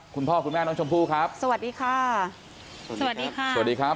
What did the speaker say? คุณพ่อคุณแม่น้องชมพู่ครับสวัสดีค่ะสวัสดีค่ะสวัสดีครับ